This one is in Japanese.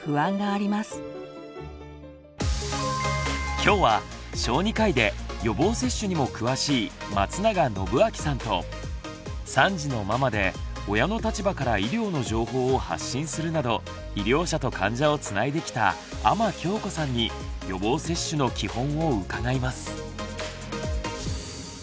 今日は小児科医で予防接種にも詳しい松永展明さんと３児のママで親の立場から医療の情報を発信するなど医療者と患者をつないできた阿真京子さんに予防接種のキホンを伺います。